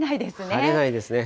晴れないですね。